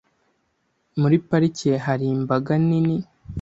Muri parike hari imbaga nini.